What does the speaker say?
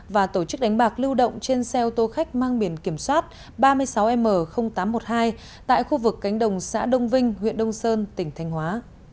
và tổ chức đánh bạc lưu động trên xe ô tô khách mang biển kiểm soát ba mươi sáu m tám trăm một mươi hai tại khu vực cánh đồng xã đông vinh huyện đông sơn tỉnh thành hóa